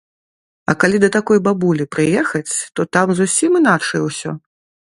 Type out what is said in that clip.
А калі да такой бабулі прыехаць, то там зусім іначай усё.